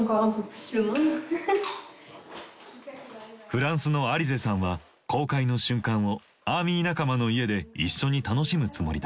フランスのアリゼさんは公開の瞬間をアーミー仲間の家で一緒に楽しむつもりだ。